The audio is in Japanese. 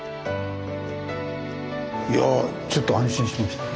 いやあちょっと安心しました。